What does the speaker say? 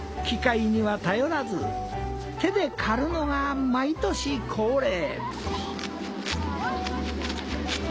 機械には頼らず手で刈るのが毎年恒例。